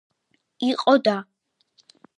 იყო და